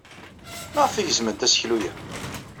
Maɣef ay gezment aseklu-a?